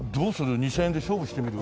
２０００円で勝負してみる？